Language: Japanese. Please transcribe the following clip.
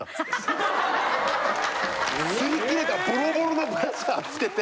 擦り切れたボロボロのブラジャーつけて。